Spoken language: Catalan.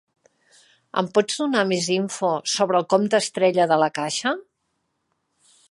Em pots donar més info sobre el compte Estrella de La Caixa?